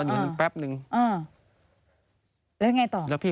ว่าเขาไปช่วยเขาตอนที่